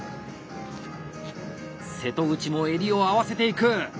瀬戸口も襟を合わせていく！